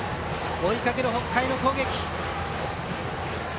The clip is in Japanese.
追いかける北海の攻撃です。